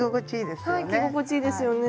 着心地いいですよね。